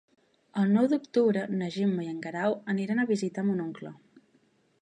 El nou d'octubre na Gemma i en Guerau aniran a visitar mon oncle.